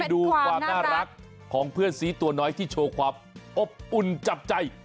ดูความน่ารักของเพื่อนซีตัวน้อยที่โชว์ความอบอุ่นจับใจ